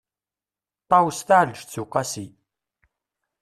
ṭawes taεelǧeţ uqasi